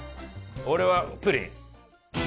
俺はプリン。